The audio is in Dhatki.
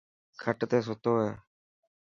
کٽ تي ستو هي.